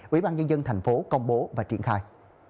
quỹ ban dân dân thành phố công bố và triển khai